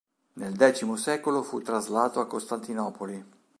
Nel X secolo fu traslato a Costantinopoli.